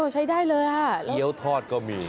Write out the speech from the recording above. ใช้ได้เลยเกี้ยวทอดก็มี